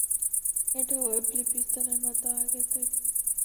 এটা ওয়েবলি পিস্তলের মতো আগের তৈরি।